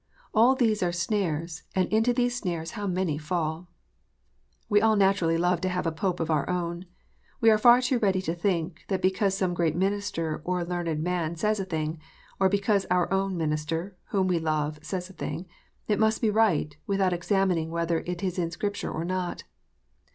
All these are snares, and into these snares how many fall ! We all naturally love to have a Pope of our own. We are far too ready to think, that because some great minister or some learned man says a thing, or because our own minister, whom we love, says a thing, it must be right, without examining whether it is in Scripture or not.